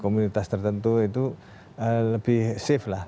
komunitas tertentu itu lebih safe lah